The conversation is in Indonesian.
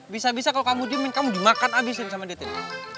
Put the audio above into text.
bisa bisa kalau kamu jemin kamu dimakan abisin sama dia tin